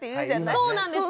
そうなんですよ。